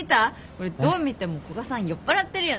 これどう見ても古賀さん酔っぱらってるよね？